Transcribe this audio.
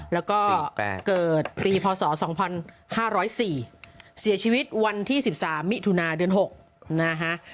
แล้วก็เกิดปีพศ๒๕๐๔เสียชีวิตวันที่๑๓มิถุนาเดือน๖นะฮะ